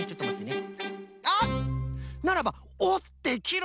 あっならばおってきる